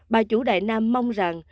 bà chủ đại nam mong rằng